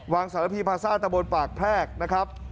สารพีพาซ่าตะบนปากแพรกนะครับ